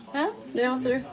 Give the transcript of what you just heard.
電話する？